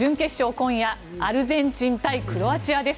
今夜アルゼンチン対クロアチアです。